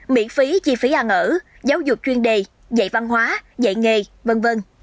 miễn phí chi phí ăn ở giáo dục chuyên đề dạy văn hóa dạy nghề v v